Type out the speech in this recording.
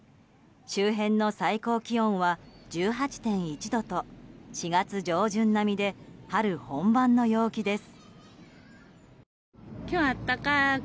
周辺の最高気温は１８．１度と４月上旬並みで春本番の陽気です。